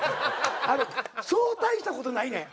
そう大したことないねん。